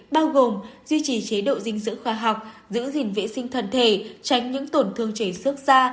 bao gồm duy trì chế độ dinh dưỡng khoa học giữ gìn vệ sinh thân thể tránh những tổn thương chảy xước xa